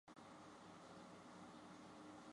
双带天竺鲷为天竺鲷科天竺鲷属的鱼类。